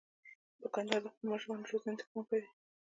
دوکاندار د خپلو ماشومانو روزنې ته پام کوي.